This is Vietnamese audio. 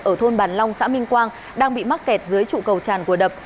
ở thôn bàn long xã minh quang đang bị mắc kẹt dưới trụ cầu tràn của đập